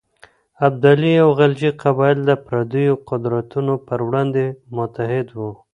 ابدالي او غلجي قبایل د پرديو قدرتونو پر وړاندې متحد وو.